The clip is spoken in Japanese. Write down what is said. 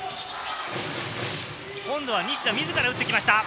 今度は西田、自ら打ってきました。